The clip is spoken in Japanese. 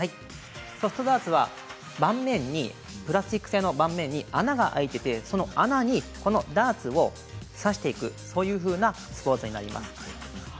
ソフトダーツはプラスチックの画面に穴が開いていて穴にダーツを刺していくそういうようなスポーツです。